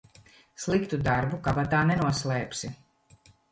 Sliktu darbu kabatā nenoslēpsi.